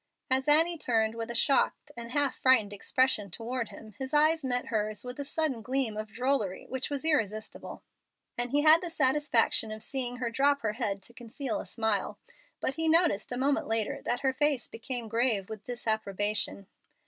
As Annie turned with a shocked and half frightened expression toward him his eyes met hers with a sudden gleam of drollery which was irresistible, and he had the satisfaction of seeing her drop her head to conceal a smile. But he noticed, a moment later, that her face became grave with disapprobation.